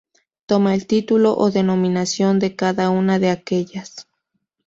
Toma el título o denominación de cada una de aquellas.